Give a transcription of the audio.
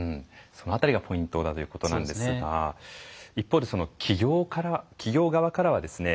その辺りがポイントだということなんですが一方で企業側からはですね